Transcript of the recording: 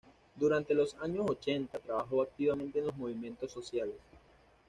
Durante los años ochenta trabajó activamente en los movimientos sociales.